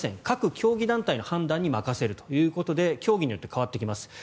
各競技団体の判断に任せるということで競技によって変わってきます。